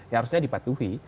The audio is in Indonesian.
ya harusnya dipatuhi